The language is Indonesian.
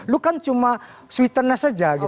lu kan cuma sweetness saja gitu